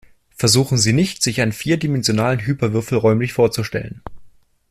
Versuchen Sie nicht, sich einen vierdimensionalen Hyperwürfel räumlich vorzustellen.